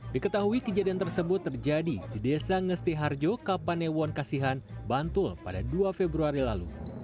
diketahui kejadian tersebut terjadi di desa ngestiharjo kapanewon kasihan bantul pada dua februari lalu